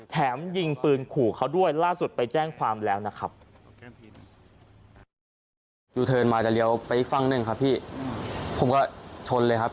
ยิงปืนขู่เขาด้วยล่าสุดไปแจ้งความแล้วนะครับ